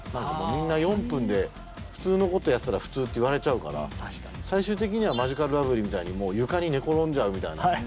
みんな４分で普通のことをやってたら普通って言われちゃうから最終的にはマヂカルラブリーみたいにもう床に寝転んじゃうみたいな。